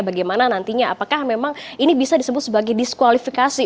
bagaimana nantinya apakah memang ini bisa disebut sebagai diskualifikasi